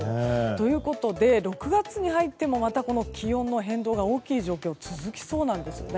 ということで６月に入っても気温の変動が大きい状況は続きそうなんです。